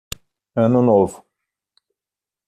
Ano novo